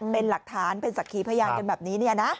เป็นหลักฐานเป็นสักขีพยานกันแบบนี้เนี่ยนะ